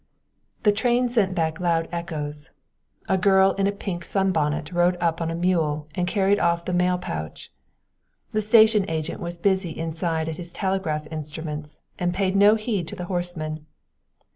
The train sent back loud echoes. A girl in a pink sun bonnet rode up on a mule and carried off the mail pouch. The station agent was busy inside at his telegraph instruments and paid no heed to the horsemen.